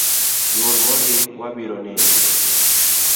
Nyuol mondi, wabiro neni